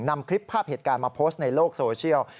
นำคลิปภาพเหตุการณ์มาโพสต์ในโลกโซเชียล